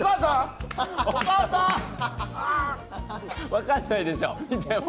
分かんないでしょ。